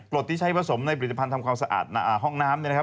กรดที่ใช้ผสมในผลิตภัณฑ์ทำความสะอาดห้องน้ำ